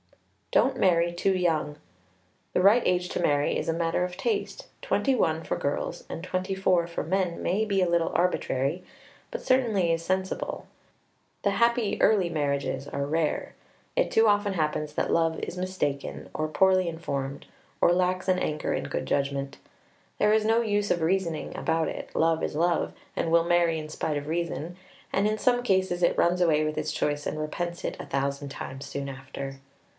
Don't marry too young. The right age to marry is a matter of taste; twenty one for girls, and twenty four for men may be a little arbitrary, but certainly is sensible. The happy early marriages are rare. It too often happens that love is mistaken, or poorly informed, or lacks an anchor in good judgment. There is no use of reasoning about it, love is love, and will marry in spite of reason, and in some cases it runs away with its choice and repents it a thousand times soon after.